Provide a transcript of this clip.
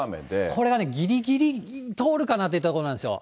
これがぎりぎり通るかなというところなんですよ。